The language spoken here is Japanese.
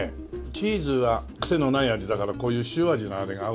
チーズがクセのない味だからこういう塩味のあれが合うね。